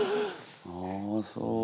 ああそう。